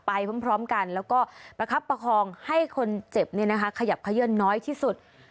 พร้อมกันแล้วก็ประคับประคองให้คนเจ็บขยับขยื่นน้อยที่สุด